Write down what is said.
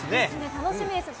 楽しみですね。